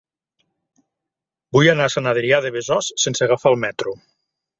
Vull anar a Sant Adrià de Besòs sense agafar el metro.